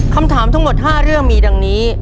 คำถามทั้งหมด๕เรื่องมีดังนี้